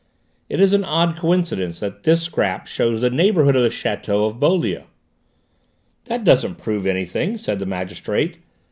"It is an odd coincidence that this scrap shows the neighbourhood of the château of Beaulieu." "That doesn't prove anything," said the magistrate.